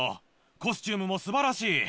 コスチュームも素晴らしい。